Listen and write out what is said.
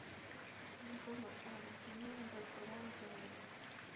Sus gafas marcaron estilo, al recordar a John Lennon.